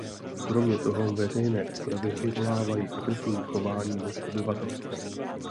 Kromě toho, veřejné popravy vyvolávají agresivní chování mezi obyvatelstvem.